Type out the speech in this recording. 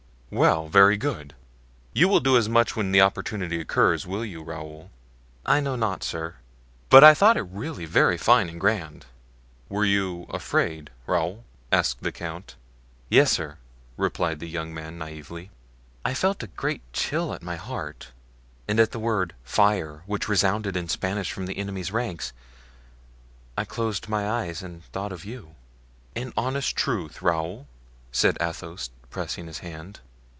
"Well, very good; you will do as much when the opportunity occurs, will you, Raoul?" "I know not, sir, but I thought it really very fine and grand!" "Were you afraid, Raoul?" asked the count. "Yes, sir," replied the young man naively; "I felt a great chill at my heart, and at the word 'fire,' which resounded in Spanish from the enemy's ranks, I closed my eyes and thought of you." "In honest truth, Raoul?" said Athos, pressing his hand.